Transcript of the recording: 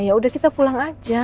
yaudah kita pulang aja